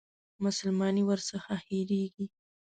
مسلماني ورڅخه هېرېږي.